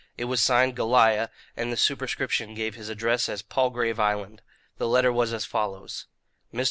It was signed "Goliah," and the superscription gave his address as "Palgrave Island." The letter was as follows: "MR.